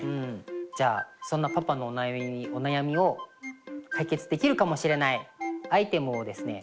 そんなパパのお悩みを解決できるかもしれないアイテムをですね